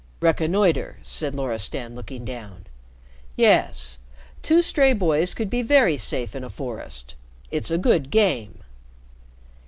"Reconnoiter," said Loristan, looking down. "Yes. Two stray boys could be very safe in a forest. It's a good game."